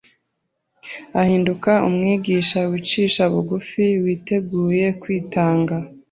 ahinduka umwigishwa wicisha bugnfi witeguye kwitanga¬